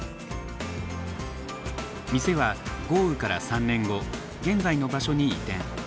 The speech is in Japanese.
店は豪雨から３年後現在の場所に移転。